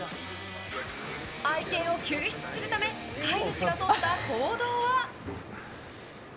愛犬を救出するため飼い主がとった行動は？